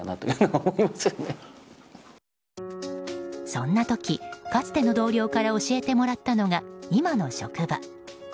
そんな時、かつての同僚から教えてもらったのが今の職場